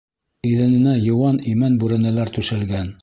Иҙәненә йыуан имән бүрәнәләр түшәлгән.